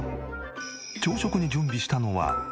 朝食に準備したのは。